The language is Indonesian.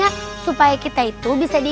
udah barangkali fertility can start by boz